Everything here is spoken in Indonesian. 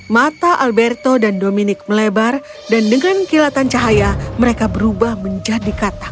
mata alberto dan dominic melebar dan dengan kilatan cahaya mereka berubah menjadi kata